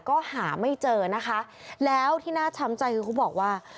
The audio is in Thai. ก็หาไม่เจอนะคะแล้วที่น่าช้ำใจคือเขาบอกว่า